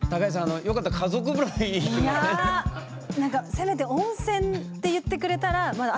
いやなんかせめて「温泉」って言ってくれたらまだあっ